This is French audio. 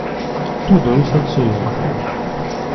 Tous deux se turent.